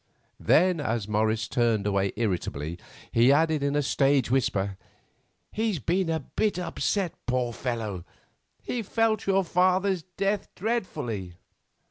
Then, as Morris turned away irritably, he added in a stage whisper, "He's been a bit upset, poor fellow! He felt your father's death dreadfully."